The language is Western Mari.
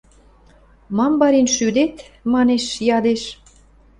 – Мам, барин, шӱдет? – манеш, ядеш.